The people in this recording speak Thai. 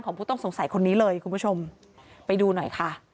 ผู้ต้องสงสัยคนนี้เลยคุณผู้ชมไปดูหน่อยค่ะ